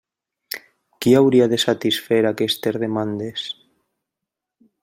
Qui hauria de satisfer aquestes demandes?